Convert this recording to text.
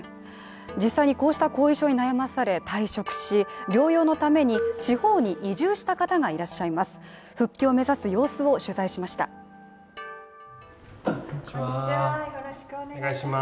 実際にこうした後遺症に悩まされ退職し、療養のために地方に移住した方がいらっしゃいます。